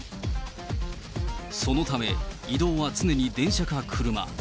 そのため、移動は常に電車か車。